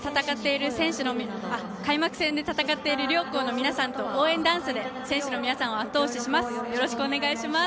開幕戦で戦っている両校の皆さんと応援ダンスで選手の皆さんを後押しします。